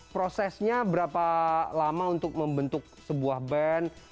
prosesnya berapa lama untuk membentuk sebuah band